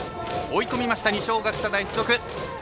追い込みました二松学舎大付属。